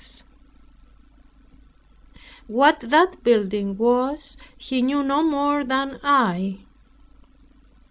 What that building was he knew no more than I.